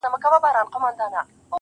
o څه ژوند كولو ته مي پريږده كنه .